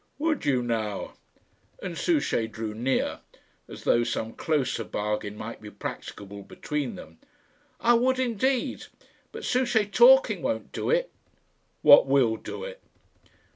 "Would you now?" And Souchey drew near, as though some closer bargain might be practicable between them. "I would indeed; but, Souchey, talking won't do it." "What will do it?"